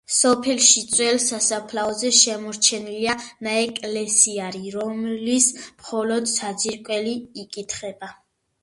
სოფელში ძველ სასაფლაოზე შემორჩენილია ნაეკლესიარი, რომლის მხოლოდ საძირკველი იკითხება.